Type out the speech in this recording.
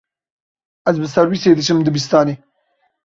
Ez bi serwîsê diçim dibistanê.